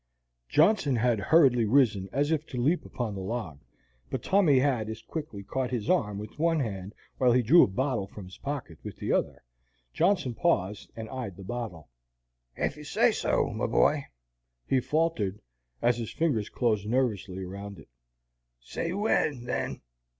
Johnson had hurriedly risen as if to leap upon the log, but Tommy had as quickly caught his arm with one hand while he drew a bottle from his pocket with the other. Johnson paused, and eyed the bottle. "Ef you say so, my boy," he faltered, as his fingers closed nervously around it; "say 'when,' then."